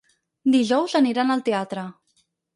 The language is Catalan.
Dijous aniran al teatre.